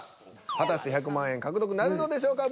果たして１００万円獲得なるのでしょうか。